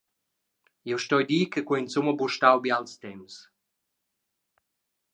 Jeu stoi dir che quei ei insumma buca stau bials temps.